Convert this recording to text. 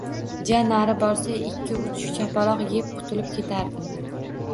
Ja nari borsa, ikki-uch shapaloq yeb qutulib ketardim